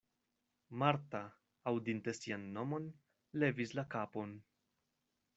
Marta, aŭdinte sian nomon, levis la kapon.